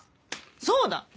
そうだ。